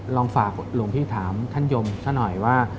ลองฝากหลวงพี่ถามท่านยมซะหน่อยว่า